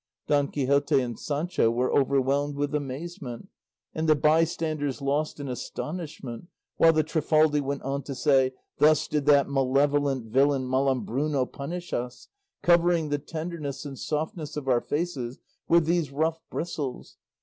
Don Quixote and Sancho were overwhelmed with amazement, and the bystanders lost in astonishment, while the Trifaldi went on to say: "Thus did that malevolent villain Malambruno punish us, covering the tenderness and softness of our faces with these rough bristles!